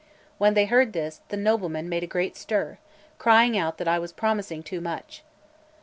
When they heard this, the noblemen made a great stir, crying out that I was promising too much.